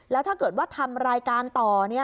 แล้วถ้าเกิดว่าทำรายการต่อ